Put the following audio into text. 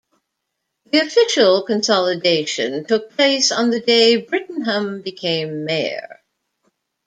The official consolidation took place on the day Brittingham became mayor.